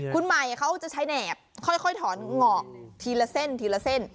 คุณใหม่เขาจะใช้แหนบค่อยถอนหงอกทีละเส้น